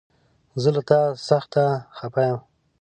زه له تا سخته خفه يم!